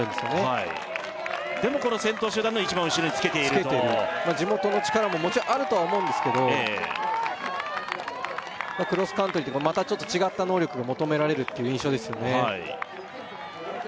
はいでもこの先頭集団の一番後ろにつけているとつけてる地元の力ももちろんあるとは思うんですけどクロスカントリーってまたちょっと違った能力を求められるっていう印象ですよね